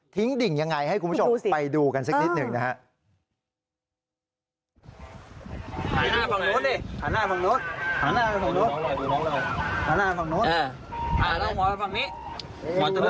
ทิ้งดิ่งยังไงให้คุณผู้ชมฮะไปดูกันสักนิดหนึ่งนะฮะ